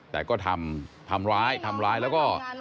แต่ก็ทำทำร้ายทำร้ายแล้วก็